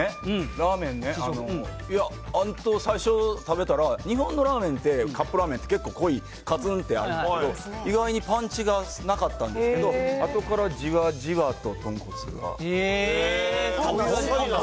ラーメンね、いや、最初食べたら、日本のラーメンって、カップラーメンって、結構濃い、がつんってあるけど、意外にパンチがなかったんですけど、あとからじわじわと。